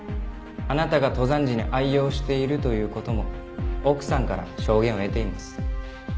あなたが登山時に愛用しているという事も奥さんから証言を得ています。